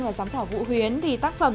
và giám khảo vũ huyến thì tác phẩm